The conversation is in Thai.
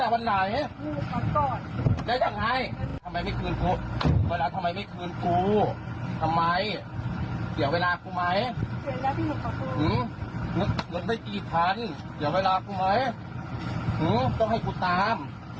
ไม่ติดทันเดี๋ยวเวลากูไหมหื้อต้องให้กูตาม